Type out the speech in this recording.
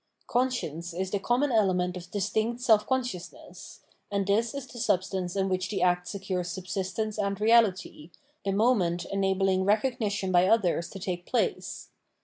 Conscience is the common element of distinct self con sciousnesses ; and this is the substance in which the act secures subsistence and reality, the moment enabling recognition by others to take place.